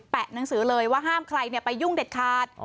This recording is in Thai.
หนังสือเลยว่าห้ามใครไปยุ่งเด็ดขาด